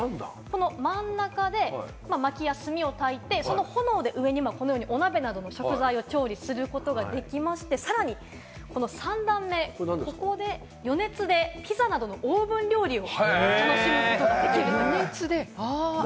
真ん中で薪や炭で炊いて、その炎で上にはこのようにお鍋など食材を調理することができまして、さらに３段目、ここで余熱でピザなど、オーブン料理を楽しむことができる。